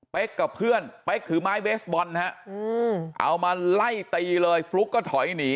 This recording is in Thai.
กับเพื่อนเป๊กถือไม้เบสบอลฮะเอามาไล่ตีเลยฟลุ๊กก็ถอยหนี